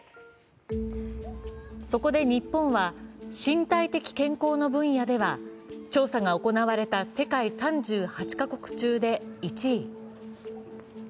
そこで日本は、身体的健康の分野では調査が行われた世界３８か国中で１位。